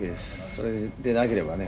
それでなければね